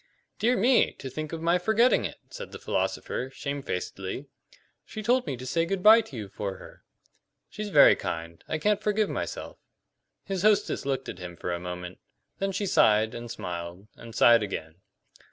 "Dear me! To think of my forgetting it!" said the philosopher, shamefacedly. "She told me to say good bye to you for her." "She's very kind. I can't forgive myself." His hostess looked at him for a moment; then she sighed, and smiled, and sighed again.